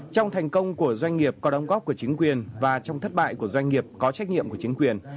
trong thành công của doanh nghiệp có đóng góp của chính quyền và trong thất bại của doanh nghiệp có trách nhiệm của chính quyền